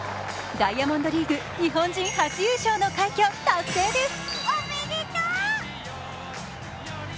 ダイヤモンドリーグ日本人初優勝の快挙達成です。